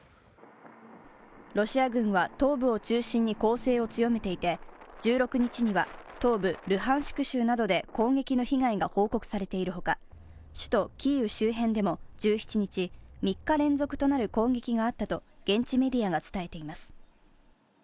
ロシア軍は東部を中心に攻勢を強めていて１６日には東部ルハンシク州などで攻撃の被害が報告されているほか、首都キーウ周辺でも１７日、３日連続となる攻撃があったと現地メディアが伝えています。